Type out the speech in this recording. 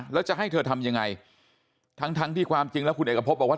แล้วจะให้เธอทำยังไงทั้งทั้งที่ความจริงแล้วคุณเอกพบบอกว่า